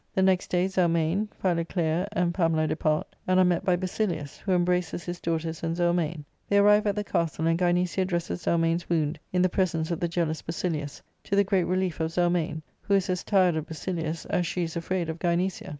The next day Zelmane, Philoclea, and Pamela depart, and are met by Basilius, who embraces his daughters and Zelmane ; they arrive at the castle, and Gynecia dresses Zelmane^s wound, in the presence of the jealous Basilius, to the great relief of Zelmane, who is as tired of Basilius as she is afraid of Gynecia.